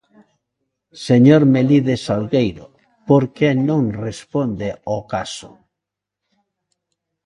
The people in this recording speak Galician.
Señor Melide Salgueiro, ¿por que non responde ao caso?